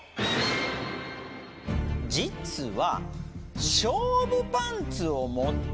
実は。